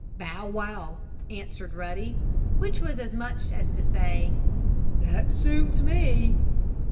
"Bow wow!" answered Ruddy, which was as much as to say: "That suits me!"